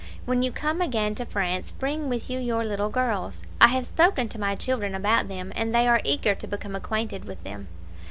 When you come again to France, bring with you your little girls. I have spoken to my children about them, and they are eager to become acquainted with them."